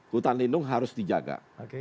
hutan lindung harus dijaga